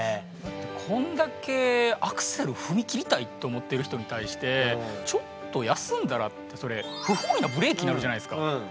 こんだけアクセル踏み切りたいって思ってる人に対してちょっと休んだらってそれ不本意なブレーキになるじゃないですか。